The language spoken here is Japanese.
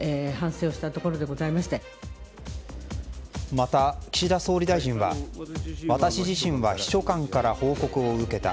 また、岸田総理大臣は私自身は秘書官から報告を受けた。